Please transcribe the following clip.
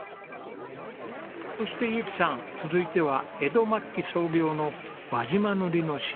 そして由紀さん続いては江戸末期創業の輪島塗の老舗へ向かいます。